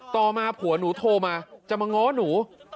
ต่อมาผัวหนูโทรมาจะมาง้อหนู